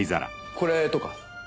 これとか。